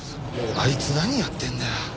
あいつ何やってんだよ！